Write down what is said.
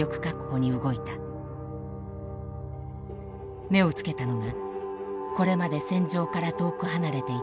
目をつけたのがこれまで戦場から遠く離れていた若者や子供たちだった。